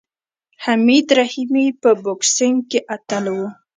حمید رحیمي په بوکسینګ کې اتل و.